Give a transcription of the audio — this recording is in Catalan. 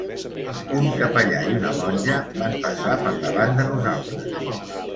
Un capellà i una monja van passar per davant de nosaltres.